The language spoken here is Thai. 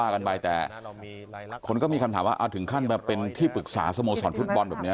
ก็ว่ากันบ้างแต่คนก็มีคำถามว่าถึงขั้นแบบเป็นที่ปรึกษาสมโลสรรฟุตบอลแบบเนี่ย